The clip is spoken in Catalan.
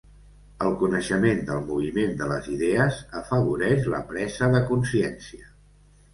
El coneixement del moviment de les idees afavoreix la presa de consciència.